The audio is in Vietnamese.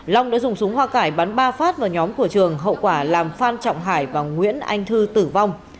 long đã dùng súng hoa cải bắn ba phát vào nhóm của trường hậu quả làm phan trọng hải và nguyễn anh thư tử vong